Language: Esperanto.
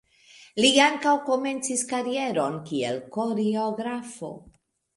Li ankaŭ komencis karieron kiel koreografo.